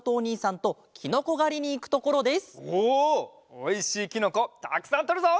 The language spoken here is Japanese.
おいしいきのこたくさんとるぞ！